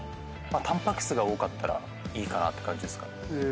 タンパク質が多かったらいいかなって感じですかね。